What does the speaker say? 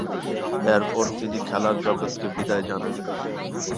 এরপর, তিনি খেলার জগৎকে বিদেয় জানান।